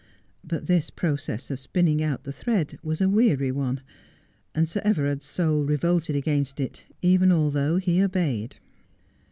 But this process of spinning out the thread was a weary one, and Sir Everard's soul revolted against it, even although he obeyed.